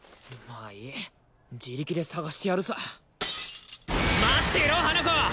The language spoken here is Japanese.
まあいい自力で探してやるさ待っていろ花子